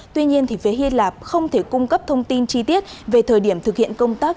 tuy nhiên phía hy lạp không thể cung cấp thông tin chi tiết về thời điểm thực hiện công tác